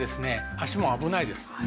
足も危ないです。